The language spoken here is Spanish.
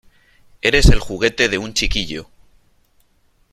¡ Eres el juguete de un chiquillo !